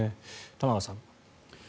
玉川さん。